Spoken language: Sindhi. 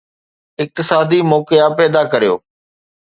اقتصادي موقعا پيدا ڪريو.